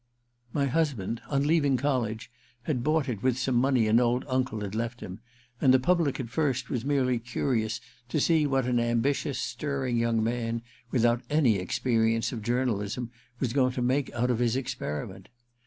My husband, on leaving college, had bought it with some money an old uncle had left him, and the public at first was merely curious to see what an ambitious, stirring young man without any experience of journalism was going to make out of his experiment.